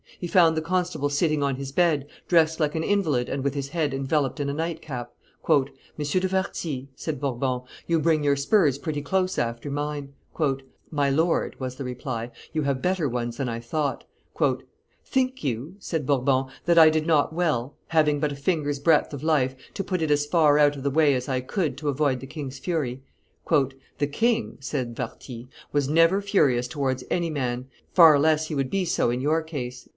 He found the constable sitting on his bed, dressed like an invalid and with his head enveloped in a night cap. "M. de Warthy," said Bourbon, "you bring your spurs pretty close after mine." "My lord," was the reply, "you have better ones than I thought." "Think you," said Bourbon, "that I did not well, having but a finger's breadth of life, to put it as far out of the way as I could to avoid the king's fury?" "The king," said Warthy, "was never furious towards any man; far less would he be so in your case."